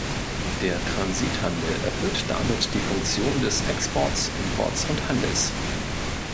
Der Transithandel erfüllt damit die Funktion des Exports, Imports und Handels.